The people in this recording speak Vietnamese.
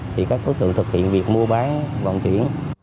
thì các đối tượng thực hiện việc mua bán vận chuyển